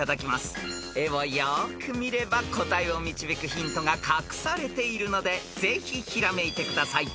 ［絵をよく見れば答えを導くヒントが隠されているのでぜひひらめいてください］